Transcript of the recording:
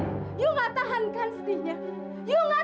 tapi you tetep pacaran sama perempuan itu ya kamu udah tau kan